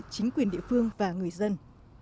chính quyền địa phương và người dân